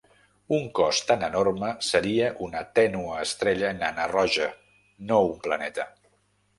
Un cos tan enorme seria una tènue estrella nana roja, no un planeta.